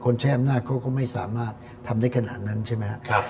ใช้อำนาจเขาก็ไม่สามารถทำได้ขนาดนั้นใช่ไหมครับ